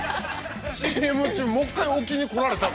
ＣＭ中もう一回置きに来られた。